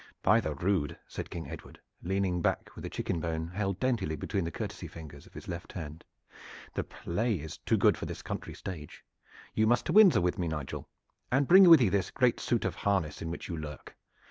"By the rood!" said King Edward, leaning back, with a chicken bone held daintily between the courtesy fingers of his left hand, "the play is too good for this country stage. You must to Windsor with me, Nigel, and bring with you this great suit of harness in which you lurk.